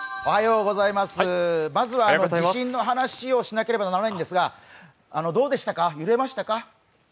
まずは地震の話をしなければならないんですが、どうでしたか、揺れましたか？